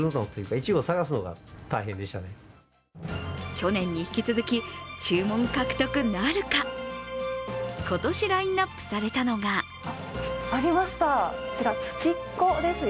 去年に引き続き、注文獲得なるか今年ラインナップされたのがありました、こちら槻っ子ですよ。